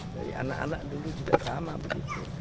dari anak anak dulu juga sama begitu